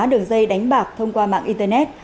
đường dây đánh bạc thông qua mạng internet